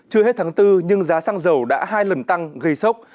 chưa hết tháng bốn nhưng giá xăng dầu đã hai lần tăng gây sốc